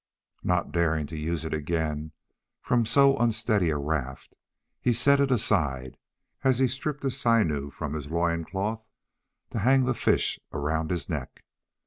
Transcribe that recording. Not daring to use it again from so unsteady a raft, he set it aside as he stripped a sinew from his loin cloth to hang the fish around his neck.